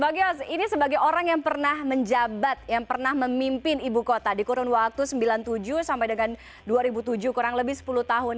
bang yos ini sebagai orang yang pernah menjabat yang pernah memimpin ibu kota di kurun waktu sembilan puluh tujuh sampai dengan dua ribu tujuh kurang lebih sepuluh tahun